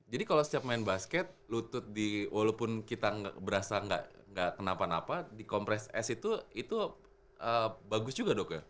jadi kalau setiap main basket lutut di walaupun kita berasa gak kenapa napa di compress ice itu itu bagus juga dok ya